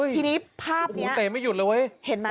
โตเตยไม่หยุดแล้วเว้ยเห็นไหม